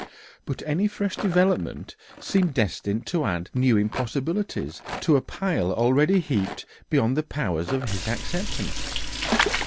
But any fresh development seemed destined to add new impossibilities to a pile already heaped beyond the powers of his acceptance.